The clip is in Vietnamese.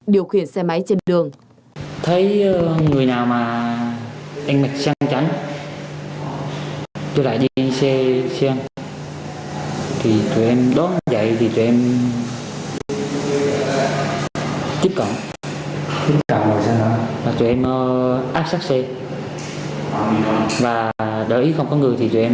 điều khiển xe máy trên đường